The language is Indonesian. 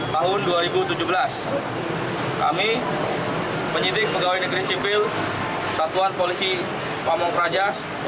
tahun dua ribu tujuh belas kami penyidik pegawai negeri sipil satuan polisi pamung praja